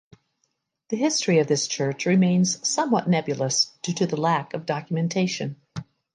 The history of this church remains somewhat nebulous due to lack of documentation.